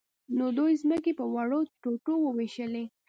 نو دوی ځمکې په وړو ټوټو وویشلې.